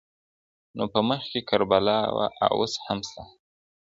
نو په مخکي کربلا وه او اوس هم سته